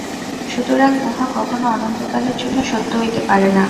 সুতরাং উহা কখনও অনন্তকালের জন্য সত্য হইতে পারে না।